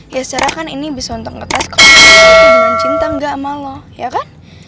ya secara kan ini bisa nonton kertas kalau dia cinta gak sama lo ya kan